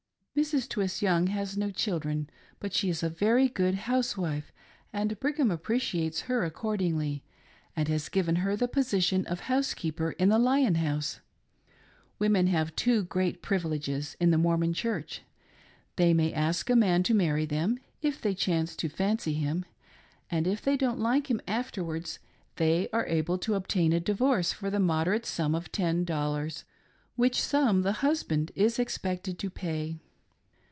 [Number Six.] Mrs. Twiss Young has no children, but she is a very good housewife, and Brigham appreciates her accordingly, and has THE LADIES IN THE LION HOUSE. 279 given her the position of housekeeper in the Lion House, Women have two great privileges in the Mormon Church — they may ask a man to marry them, if they chance to fancy him, and if they don't like him afterwards they are able to obtain a divorce for the moderate sum of ten dollars, which sum the husband is expected to pay.